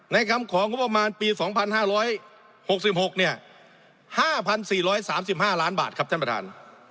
ในคำของงบประมาณปีสองพันห้าร้อยหกสิบหกเนี่ยห้าพันสี่ร้อยสามสิบห้าร้านบาทครับท่านประธาน